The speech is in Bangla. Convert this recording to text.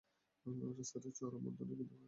রাস্তাটি চওড়া মন্দ নয়, কিন্তু কাঁচা।